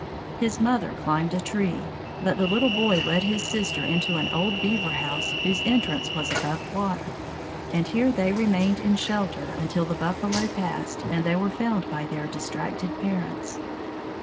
His mother climbed a tree, but the little boy led his sister into an old beaver house whose entrance was above water, and here they remained in shelter until the buffalo passed and they were found by their distracted parents.